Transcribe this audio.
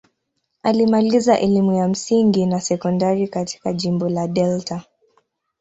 Alimaliza elimu ya msingi na sekondari katika jimbo la Delta.